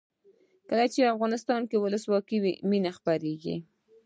کله چې افغانستان کې ولسواکي وي مینه خپریږي.